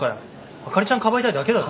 あかりちゃんかばいたいだけだろ。